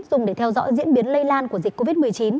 dùng để theo dõi diễn biến lây lan của dịch covid một mươi chín